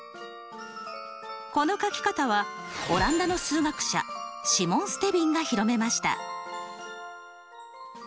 この書き方はオランダの数学者シモン・ステヴィンが広めました。